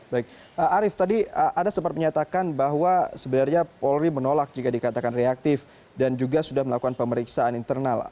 baik arief tadi ada sempat menyatakan bahwa sebenarnya polri menolak jika dikatakan reaktif dan juga sudah melakukan pemeriksaan internal